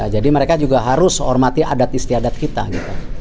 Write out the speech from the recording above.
jadi mereka juga harus hormati adat istiadat kita gitu